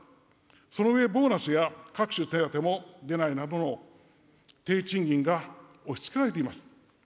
その上、ボーナスや各種手当も出ないなどの低賃金が押しつけられています。